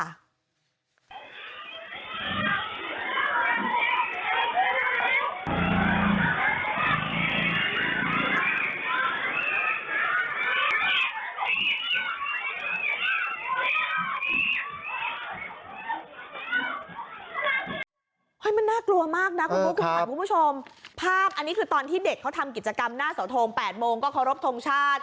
เฮ้ยมันน่ากลัวมากนะคุณบุ๊คคุณขวัญคุณผู้ชมภาพอันนี้คือตอนที่เด็กเขาทำกิจกรรมหน้าเสาทง๘โมงก็เคารพทงชาติ